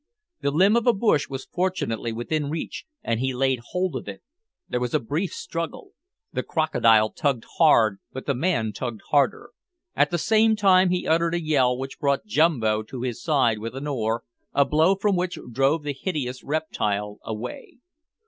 The limb of a bush was fortunately within reach, and he laid hold of it. There was a brief struggle. The crocodile tugged hard, but the man tugged harder; at the same time he uttered a yell which brought Jumbo to his side with an oar, a blow from which drove the hideous reptile away.